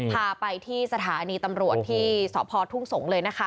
พาไปที่สถานีตำรวจที่สพทุ่งสงศ์เลยนะคะ